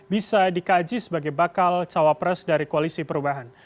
bisa dikaji sebagai bakal cawapres dari koalisi perubahan